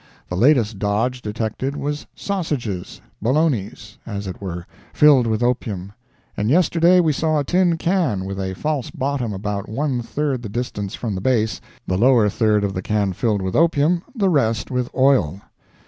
The latest dodge detected was sausages, Bolognas, as it were, filled with opium; and yesterday we saw a tin can, with a false bottom about one third the distance from the base, the lower third of the can filled with opium, the rest with oil.